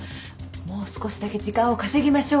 もう少しだけ時間を稼ぎましょうよ。